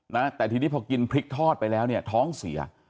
นะแต่ทีนี้พอกินพริกทอดไปแล้วเนี่ยท้องเสีย